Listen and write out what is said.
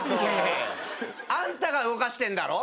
あんたが動かしてんだろ？